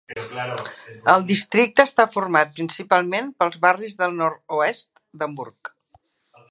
El districte està format principalment pels barris del nord-oest d'Hamburg.